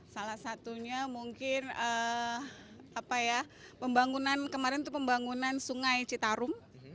salah satunya mungkin apa ya pembangunan kemarin itu pembangunan sungai citarum